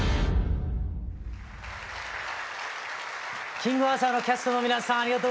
「キングアーサー」のキャストの皆さんありがとうございました。